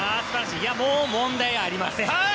もう問題ありません。